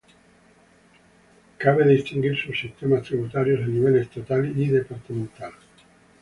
Cabe distinguir subsistemas tributarios a nivel estatal y departamental.